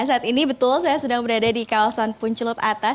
saat ini betul saya sedang berada di kawasan puncelut atas